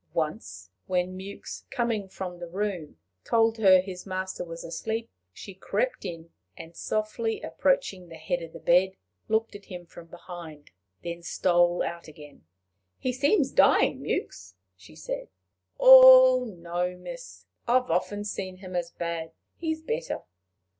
Once when Mewks, coming from the room, told her his master was asleep, she crept in, and, softly approaching the head of the bed, looked at him from behind, then stole out again. "He seems dying, Mewks," she said. "Oh, no, miss! I've often seen him as bad. He's better."